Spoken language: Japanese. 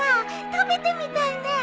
食べてみたいねえ。